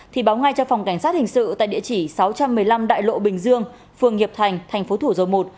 thì báo ngay cho phòng cảnh sát hình sự tại địa chỉ sáu trăm một mươi năm đại lộ bình dương phường hiệp thành thành phố thủ dầu một